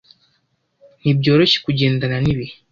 Ntibyoroshye kugendana nibihe.